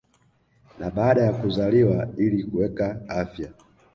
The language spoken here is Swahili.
na baada ya kuzaliwa ili kuweka afya